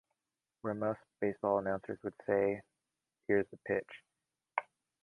Where most baseball announcers would say, Here's the pitch!